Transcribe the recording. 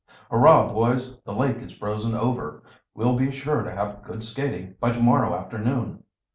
"Hurrah, boys, the lake is frozen over! We'll be sure to have good skating by to morrow afternoon!"